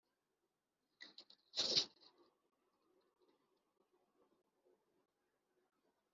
madame madeleine bicamumpaka yagarutse ku bibazo bimwe na bimwe,